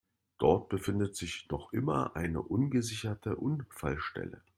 Dort befindet sich noch immer eine ungesicherte Unfallstelle.